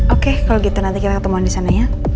oke kalau gitu nanti kita ketemuan di sana ya